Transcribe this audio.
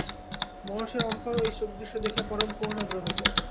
মহর্ষির অন্তর এই শোকদৃশ্য দেখিয়া পরম করুণার্দ্র হইল।